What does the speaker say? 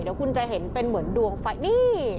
เดี๋ยวคุณจะเห็นเป็นเหมือนดวงไฟนี่